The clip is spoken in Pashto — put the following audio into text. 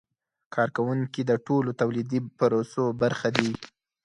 کارکوونکي د ټولو تولیدي پروسو برخه دي.